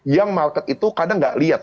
yang market itu kadang gak lihat